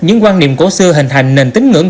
những quan điểm cổ xưa hình thành nền tính ngưỡng